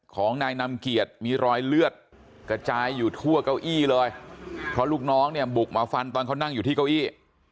ของนายนำเกียรติมีรอยเลือดกระจายอยู่ทั่วเก้าอี้เลยเพราะลูกน้องเนี่ยบุกมาฟันตอนเขานั่งอยู่ที่เก้าอี้